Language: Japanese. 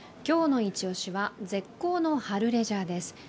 今日のイチオシは絶好の春レジャーです。